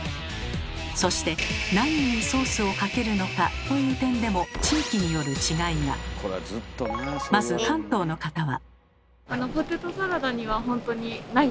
そしてなににソースをかけるのかという点でもまず関東の方は。